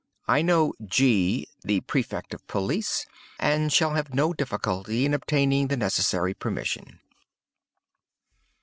I know G——, the Prefect of Police, and shall have no difficulty in obtaining the necessary permission."